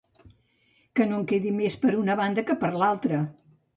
que no en quedi més per una banda que per l'altra